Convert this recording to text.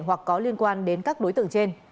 hoặc có liên quan đến các đối tượng trên